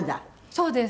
そうです。